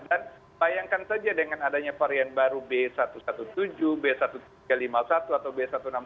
dan bayangkan saja dengan adanya varian baru b satu ratus tujuh belas b seribu tiga ratus lima puluh satu atau b seribu enam ratus tujuh belas